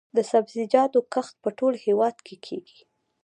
د سبزیجاتو کښت په ټول هیواد کې کیږي